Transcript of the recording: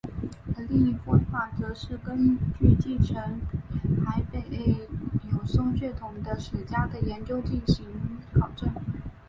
而另一说法则是根据继承海北友松血统的史家的研究进行考证。